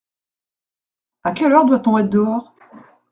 À quelle heure doit-on être dehors ?